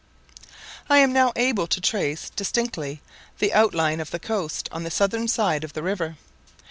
I am now able to trace distinctly the outline of the coast on the southern side of the river.